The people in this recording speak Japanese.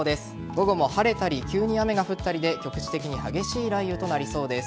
午後も晴れたり急に雨が降ったりで局地的に激しい雷雨となりそうです。